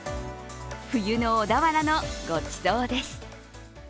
冬の小田原のごちそうです。